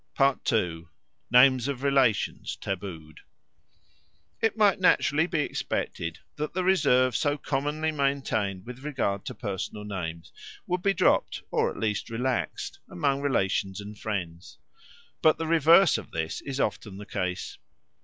2. Names of Relations tabooed IT might naturally be expected that the reserve so commonly maintained with regard to personal names would be dropped or at least relaxed among relations and friends. But the reverse of this is often the case.